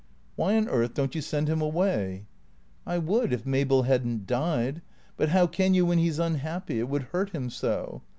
" Why on earth don't you send him away ?"" I would, if Mabel had n't died. But how can you when he 's unhappy ? It would hurt him so.